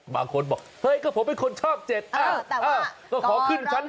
บางคนบอกเฮ้ยก็ผมเป็นคนชอบ๗ก็ขอขึ้นชั้น๑